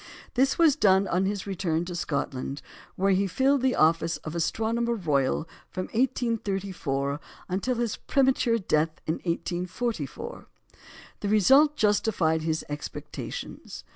This was done on his return to Scotland, where he filled the office of Astronomer Royal from 1834 until his premature death in 1844. The result justified his expectations.